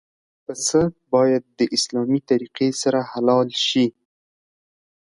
پسه باید د اسلامي طریقې سره حلال شي.